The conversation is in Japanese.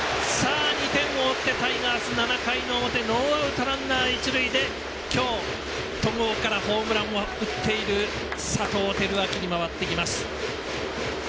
２点を追ってタイガース７回の表ノーアウト、ランナー、一塁で今日、戸郷からホームランを打っている佐藤輝明に回ってきます。